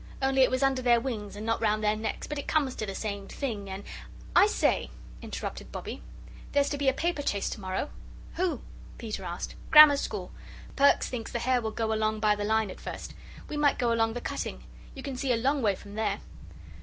Only it was under their wings and not round their necks, but it comes to the same thing, and " "I say," interrupted Bobbie, "there's to be a paperchase to morrow." "Who?" Peter asked. "Grammar School. Perks thinks the hare will go along by the line at first. We might go along the cutting. You can see a long way from there."